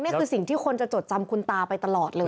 นี่คือสิ่งที่คนจะจดจำคุณตาไปตลอดเลย